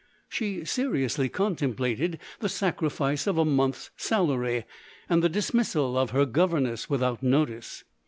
She seriously contemplated the sacrifice of a month's salary, and the dismissal of her governess without notice.